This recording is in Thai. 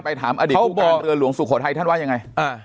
ถามอดีตผู้การเรือหลวงสุโขทัยท่านว่ายังไง